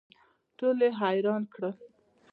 ټول یې حیران کړل.